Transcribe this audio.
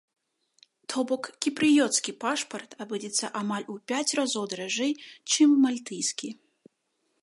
То бок кіпрыёцкі пашпарт абыдзецца амаль у пяць разоў даражэй, чым мальтыйскі.